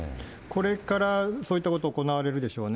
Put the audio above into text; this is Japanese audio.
これからそういったこと、行われるでしょうね。